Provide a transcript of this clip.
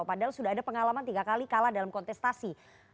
padahal sudah ada pengalaman tiga kali kalah dalam kontestasi